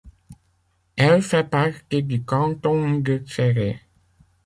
Elle fait partie du canton de Tchéré.